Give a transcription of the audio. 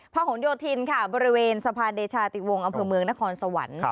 หงโยธินค่ะบริเวณสะพานเดชาติวงอำเภอเมืองนครสวรรค์